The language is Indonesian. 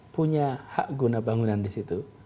punya hak guna bangunan disitu